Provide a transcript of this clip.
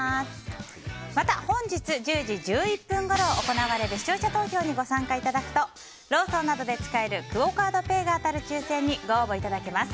また、本日１０時１１分ごろ行われる視聴者投票にご参加いただくとローソンなどで使えるＱＵＯカードＰａｙが当たる抽選にご応募いただけます。